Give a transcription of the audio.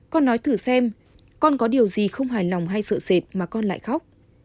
con nói thử xem con có điều gì không hài lòng hay sợ sệt mà con lại khóc